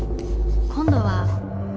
今度は。